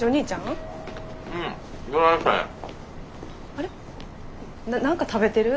あれな何か食べてる？